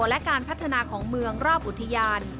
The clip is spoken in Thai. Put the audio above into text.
และการพัฒนาของเมืองรอบอุทยาน